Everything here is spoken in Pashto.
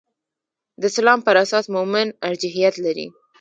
د اسلام پر اساس مومن ارجحیت لري.